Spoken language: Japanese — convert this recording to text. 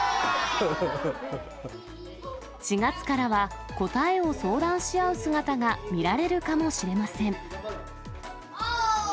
４月からは、答えを相談し合う姿が見られるかもしれません。